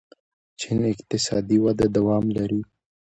چین اقتصادي وده دوام لري.